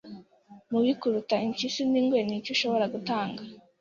mubi kuruta impyisi ningwe ni iki ushobora gutanga